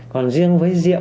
còn riêng với rượu